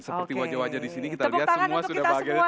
seperti wajah wajah disini kita lihat semua sudah bahagia